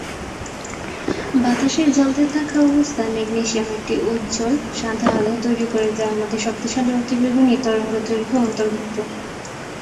বাতাসে জ্বলতে থাকা অবস্থায় ম্যাগনেসিয়াম একটি উজ্জ্বল-সাদা আলো তৈরি করে যার মধ্যে শক্তিশালী অতিবেগুনী তরঙ্গদৈর্ঘ্য অন্তর্ভুক্ত।